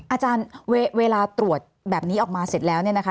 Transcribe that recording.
อาจารย์เวลาตรวจแบบนี้ออกมาเสร็จแล้วเนี่ยนะคะ